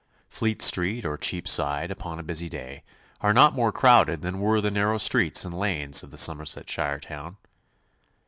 Fleet Street or Cheapside upon a busy day are not more crowded than were the narrow streets and lanes of the Somersetshire town.